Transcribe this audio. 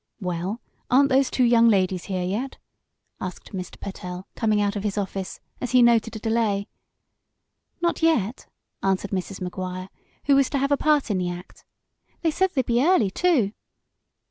"Well, aren't those two young ladies here yet?" asked Mr. Pertell, coming out of his office, as he noted a delay. "Not yet," answered Mrs. Maguire, who was to have a part in the act. "They said they'd be early, too."